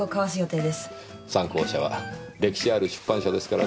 讃光社は歴史ある出版社ですからねぇ。